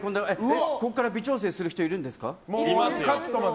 ここから微調整する人いるんですか？